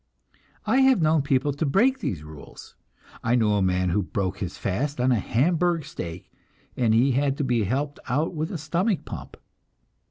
I have known people to break these rules. I knew a man who broke his fast on hamburg steak, and had to be helped out with a stomach pump.